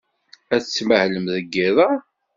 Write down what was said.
Ad tmahlem deg yiḍ-a?